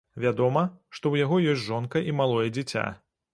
Вядома, што ў яго ёсць жонка і малое дзіця.